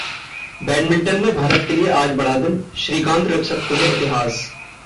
badminton में भारत के लिए आज बड़ा दिन, श्रीकांत रच सकते हैं इतिहास